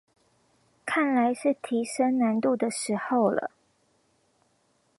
看來是提升難度的時候了